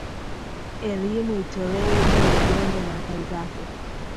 Elimu itolewe juu ya ugonjwa na athari zake